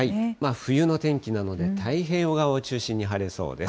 冬の天気なので、太平洋側を中心に晴れそうです。